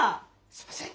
すんません。